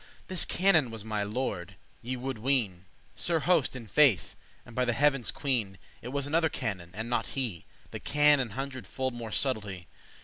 *knowledge This canon was my lord, ye woulde ween;* *imagine Sir Host, in faith, and by the heaven's queen, It was another canon, and not he, That can* an hundred fold more subtlety.